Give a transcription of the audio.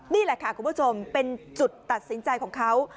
นี่แหละค่ะคุณผู้ชมเป็นจุดตัดสินใจของเขา